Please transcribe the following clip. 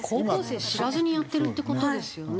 高校生知らずにやってるって事ですよね？